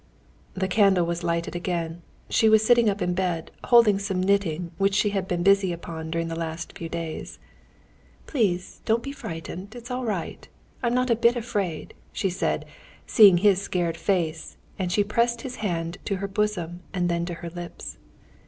The candle was lighted again. She was sitting up in bed, holding some knitting, which she had been busy upon during the last few days. "Please, don't be frightened, it's all right. I'm not a bit afraid," she said, seeing his scared face, and she pressed his hand to her bosom and then to her lips.